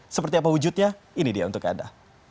seperti apa wujudnya ini dia untuk anda